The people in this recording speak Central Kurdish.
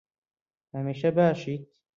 هەمیشە باشیت.